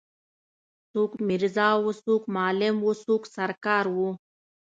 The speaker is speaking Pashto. څوک میرزا وو څوک معلم وو څوک سر کار وو.